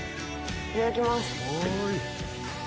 いただきます。